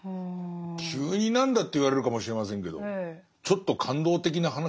急に何だって言われるかもしれませんけどちょっと感動的な話ですね。